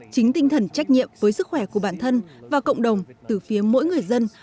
chính tinh thần trách nhiệm với sức khỏe của bản thân và cộng đồng từ phía mỗi người dân